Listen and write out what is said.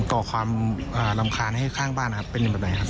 ต่อความรำคาญให้ข้างบ้านเป็นอย่างไรครับ